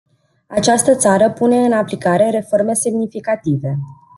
Această țară pune în aplicare reforme semnificative.